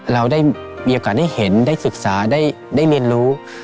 เราได้มีโอกาสได้เห็นได้ศึกษาได้เรียนรู้